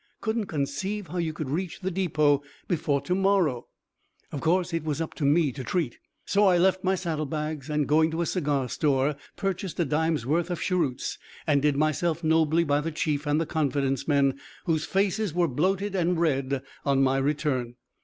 Couldn't conceive how you could reach the depot before to morrow." Of course, it was "up to me" to treat. So I left my saddle bags, and going to a cigar store, purchased a dime's worth of cheroots, and did myself nobly by the chief and the confidence men, whose faces were bloated and red on my return.